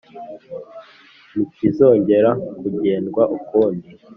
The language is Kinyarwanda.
ntikizongera kugendwa ukundi.